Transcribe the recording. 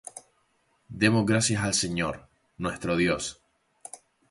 Demos gracias al Señor, nuestro Dios.